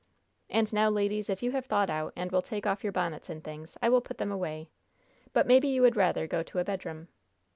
And now, ladies, if you have thawed out and will take off your bonnets and things, I will put them away. But maybe you would rather go to a bedroom?"